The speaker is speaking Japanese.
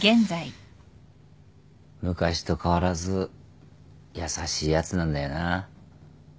昔と変わらず優しいやつなんだよな。